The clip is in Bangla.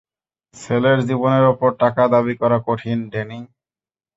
ছেলের জীবনের উপর টাকা দাবি করা কঠিন, ড্যানি।